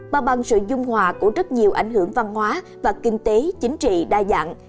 mà bằng sự dung hòa của rất nhiều ảnh hưởng văn hóa và kinh tế chính trị đa dạng